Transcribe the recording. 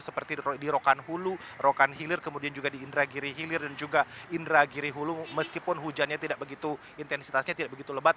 seperti di rokan hulu rokan hilir kemudian juga di indragiri hilir dan juga indra giri hulu meskipun hujannya tidak begitu intensitasnya tidak begitu lebat